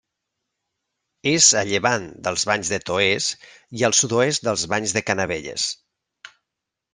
És a llevant dels Banys de Toès i al sud-oest dels Banys de Canavelles.